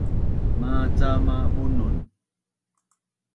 macam ma Bunun